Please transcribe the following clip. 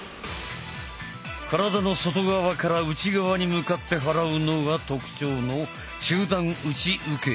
体の外側から内側に向かって払うのが特徴の中段内受け。